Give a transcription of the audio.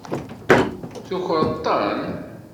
Tfukkeḍ-ten?